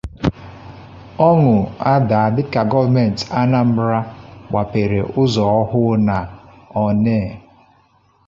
Ọñụ Adaa Dịka Gọọmenti Anambra Gbàpèrè Ụzọ Ọhụụ n'Onneh